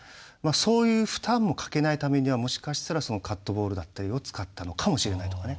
そういう負担もかけないためにはもしかしたらそのカットボールだったりを使ったのかもしれないとかね。